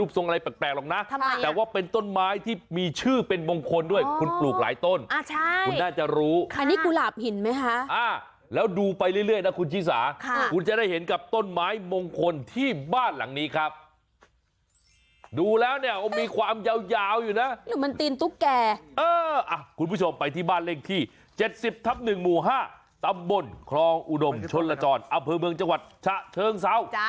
๗๐ทับ๑หมู่๕ตำบลคลองอุดมชนลจรอเผลอเมืองจังหวัดชะเชิงเศร้า